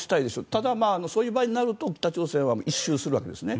ただ、そういう場合になると北朝鮮は一蹴するわけですね。